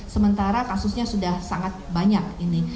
sementara kasusnya sudah sangat banyak ini